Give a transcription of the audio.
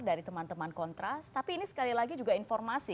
dari teman teman kontras tapi ini sekali lagi juga informasi